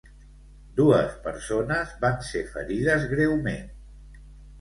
Dues persones van ser ferides greument.